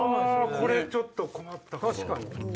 これちょっと困ったかも。